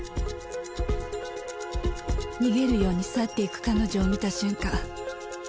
逃げるように去っていく彼女を見た瞬間